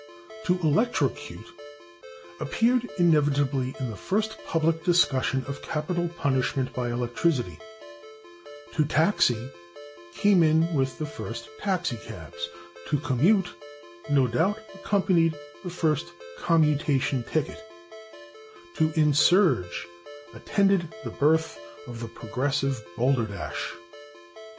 /To electrocute/ appeared inevitably in the first public discussion of capital [Pg164] punishment by electricity; /to taxi/ came in with the first taxi cabs; /to commute/ no doubt accompanied the first commutation ticket; /to insurge/ attended the birth of the Progressive balderdash.